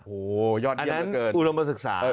โอ้โฮยอดเยี่ยมเหลือเกิน